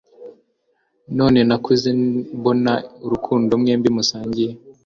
noneho nakuze mbona urukundo mwembi musangiye